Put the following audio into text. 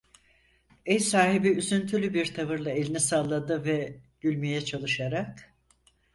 Ev sahibi üzüntülü bir tavırla elini salladı ve gülmeye çalışarak: